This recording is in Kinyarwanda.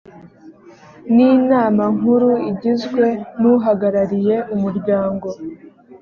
n inama nkuru igizwe n uhagarariye umuryango